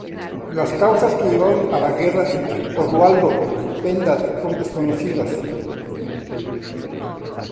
Las causas que llevaron a la guerra entre Oswaldo y Penda son desconocidas.